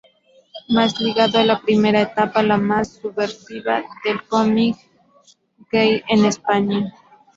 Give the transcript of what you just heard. Más ligado a la primera etapa, la más subversiva, del cómic gay en España.